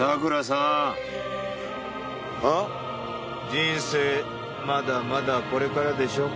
人生まだまだこれからでしょ。